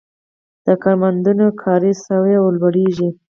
د کارمندانو کاري سویه لوړیږي.